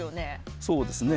そうですね。